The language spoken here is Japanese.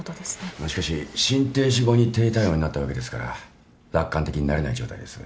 しかし心停止後に低体温になったわけですから楽観的になれない状態です。